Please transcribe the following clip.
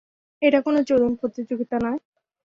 এটা কোন চোদন প্রতিযোগিতা নয়!